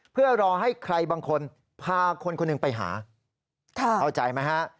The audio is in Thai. เพื่อรอให้ใครบางคนพาคนคนหนึ่งไปหาเข้าใจไหมฮะ